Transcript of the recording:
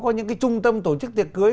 có những cái trung tâm tổ chức tiệc cưới